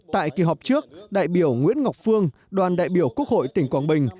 tại kỳ họp trước đại biểu nguyễn ngọc phương đoàn đại biểu quốc hội tỉnh quảng bình